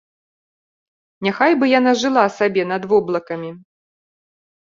Няхай бы яна жыла сабе над воблакамі.